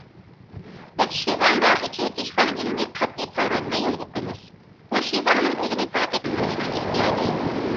بىز شىزاڭدا ئېچىۋېتىش فاڭجېنىنى قەتئىي تەۋرەنمەي يولغا قويىمىز، بۇ شىزاڭنىڭ ئۆزىنى تەرەققىي قىلدۇرۇشىنىڭ ئېھتىياجى.